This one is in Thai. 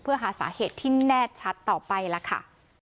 เพื่อหาสาเหตุที่แน่ชัดต่อไปล่ะค่ะ